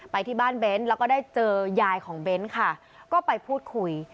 ไปที่บ้านเบ้นแล้วก็ได้เจอยายของเบ้นค่ะก็ไปพูดคุย